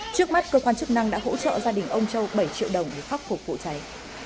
trước mắt cơ quan chức năng đã hỗ trợ gia đình ông châu bảy triệu đồng để khắc phục vụ cháy